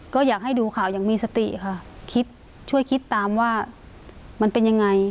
ก็อยากให้ดูข่าวอย่างมีสติค่ะคิดช่วยคิดตามว่ามันเป็นยังไง